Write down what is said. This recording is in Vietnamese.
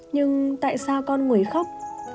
nhưng tại sao con người khóc